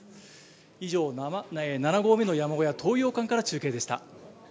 以上、７合目の山小屋、東洋館から中継でした。